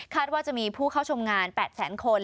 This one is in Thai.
คาดว่าจะมีผู้เข้าชมงาน๘๐๐๐๐๐คน